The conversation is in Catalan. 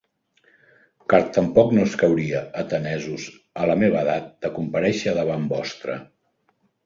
Car tampoc no escauria, atenesos, a la meva edat, de comparèixer davant vostre.